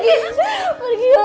jangan shock jangan shock